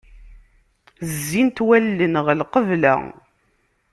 Zzint wallen ɣer lqebla.